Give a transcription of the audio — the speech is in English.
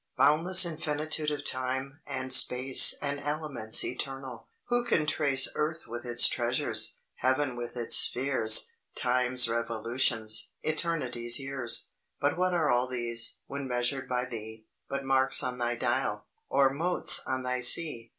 Boundless infinitude of time, and space, And elements eternal! Who can trace Earth with its treasures, Heaven with its spheres, Time's revolutions, eternity's years? But what are all these, when measured by thee, But marks on thy dial, or motes on thy sea!